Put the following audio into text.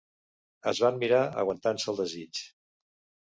Es van mirar aguantant-se el desig.